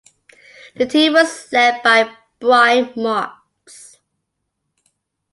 The team was led by Brian Marks.